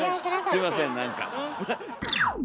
すいません何か。